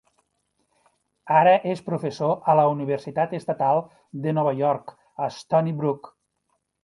Ara és professor a la Universitat Estatal de Nova York a Stony Brook.